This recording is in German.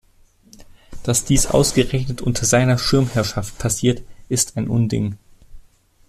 Dass dies ausgerechnet unter seiner Schirmherrschaft passiert, ist ein Unding!